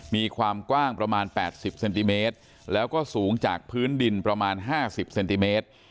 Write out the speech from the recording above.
มีความกว้างประมาณ๘๐เซนติเมตรแล้วก็สูงจากพื้นดินประมาณ๕๐เซนติเมตร